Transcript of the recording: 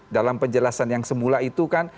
dalam penjelasan yang semula itu kan